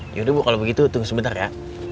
yaudah bu kalau begitu tunggu sebentar ya